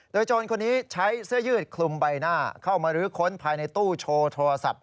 โดยโจรคนนี้ใช้เสื้อยืดคลุมใบหน้าเข้ามาลื้อค้นภายในตู้โชว์โทรศัพท์